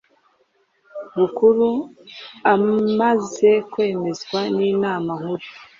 Bukuru amaze kwemezwa n Inama Nkuru